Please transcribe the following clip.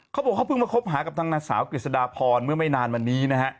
เขาบอกเขาเพิ่งมาคบหากับทางนางสาวกฤษฎาพรเมื่อไม่นานมานี้นะฮะ